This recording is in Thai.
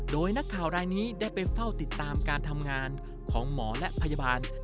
โดยนักข่าวรายนี้ได้ไปเฝ้าติดตามการทำงานของหมอและพยาบาล